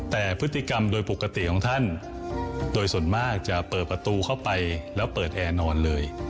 แต่พฤติกรรมโดยปกติของท่านโดยส่วนมากจะเปิดประตูเข้าไปแล้วเปิดแอร์นอนเลย